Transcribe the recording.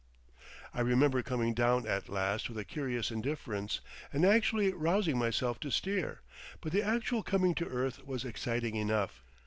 I remember coming down at last with a curious indifference, and actually rousing myself to steer. But the actual coming to earth was exciting enough.